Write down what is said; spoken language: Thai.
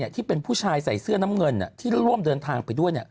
ที่เป็นผู้ชายใส่เสื้อน้ำเงินที่ร่วมเดินทางไปด้วย